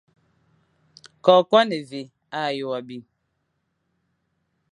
Koko a ne vé, a ye wo bi.